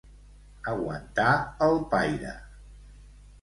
Aguantar el paire.